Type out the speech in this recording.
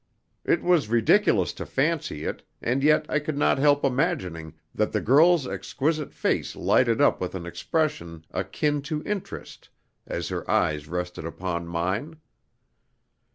It was ridiculous to fancy it, and yet I could not help imagining that the girl's exquisite face lighted up with an expression akin to interest as her eyes rested upon mine.